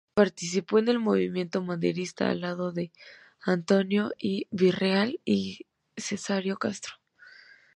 Participó en el movimiento maderista al lado de Antonio I. Villarreal y Cesáreo Castro.